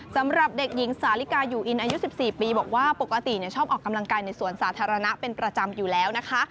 สำหรับเด็กหญิงสาลิกาอยู่อินอายุ๑๔ปีบอกว่าปกติชอบออกกำลังกายในสวนสาธารณะเป็นประจำอยู่แล้วนะคะ